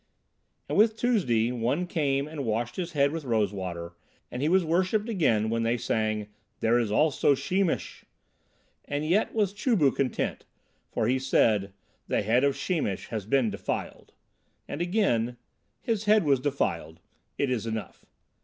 And with Tuesday one came and washed his head with rose water, and he was worshipped again when they sang "There is also Sheemish." And yet was Chu bu content, for he said, "The head of Sheemish has been defiled," and again, "His head was defiled, it is enough."